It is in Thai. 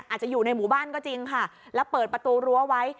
อยู่ในหมู่บ้านก็จริงค่ะแล้วเปิดประตูรั้วไว้